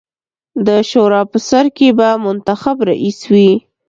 د شورا په سر کې به منتخب رییس وي.